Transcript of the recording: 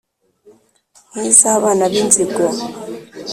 nk’iz’abana b’inzingo